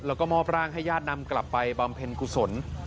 แล้วก็มอบร่างให้ญาตินำกลับไปบำเพ็ญกุศล